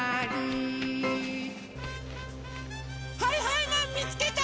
はいはいマンみつけた！